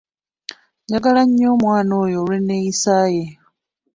Njagala nnyo omwana oyo olw'enneeyisa ye.